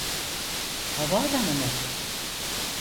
Havaalanı mı?